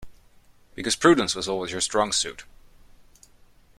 Because prudence was always your strong suit.